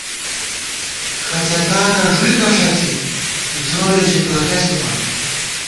کھڅَکانہ ݫُوئیکہ ݭَڅی زورے ژی باگہ ݪِمان